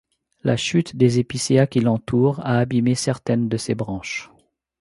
La chute des épicéas qui l'entourent a abîmé certaines de ses branches.